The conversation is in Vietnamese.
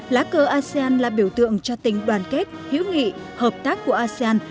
lá cờ asean là biểu tượng cho tình đoàn kết hữu nghị hợp tác của asean